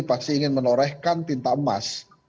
pasti ingin menorehkan tinta emas